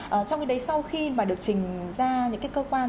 và trong khi đấy sau khi mà được trình ra những cái cơ quan